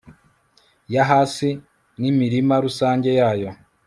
yahasi n'imirima rusange yayo